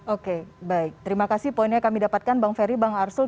oke baik terima kasih poinnya kami dapatkan bang ferry bang arsul